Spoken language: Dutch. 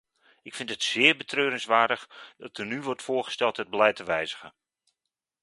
Ik vind het zeer betreurenswaardig dat er nu wordt voorgesteld het beleid te wijzigen.